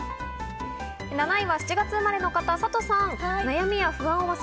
７位は７月生まれの方、サトさん。